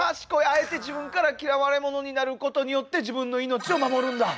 あえて自分から嫌われ者になることによって自分の命を守るんだ。